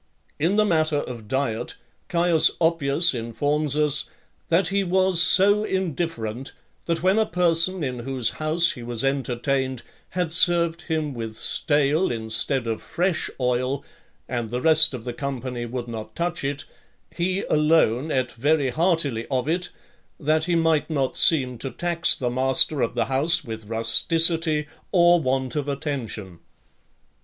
In the matter of diet, Caius Oppius informs us, "that he was so indifferent, that when a person in whose house he was entertained, had served him with stale, instead of fresh, oil , and the rest of the company would not touch it, he alone ate very heartily of it, that he might not seem to tax the master of the house with rusticity or want of attention."